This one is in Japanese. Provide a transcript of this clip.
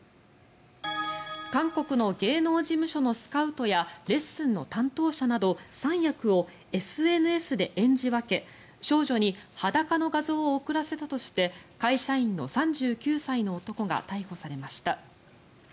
韓国の芸能事務所のスカウトやレッスンの担当者など３役をＳＮＳで演じ分け少女に裸の画像を送らせたとして会社員の３９歳の男が逮捕されました。